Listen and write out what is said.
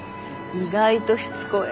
意外としつこい。